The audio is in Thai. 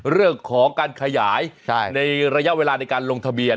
เรื่องของการขยายในระยะเวลาในการลงทะเบียน